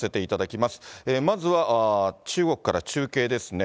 まずは中国から中継ですね。